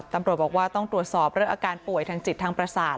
ตำรวจบอกว่าต้องตรวจสอบเรื่องอาการป่วยทางจิตทางประสาท